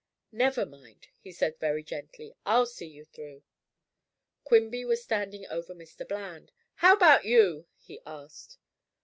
"Never mind," he said very gently, "I'll see you through." Quimby was standing over Mr. Bland. "How about you?" he asked.